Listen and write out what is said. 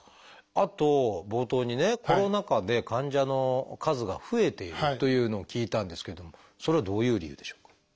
あと冒頭にねコロナ禍で患者の数が増えているというのを聞いたんですけどもそれはどういう理由でしょうか？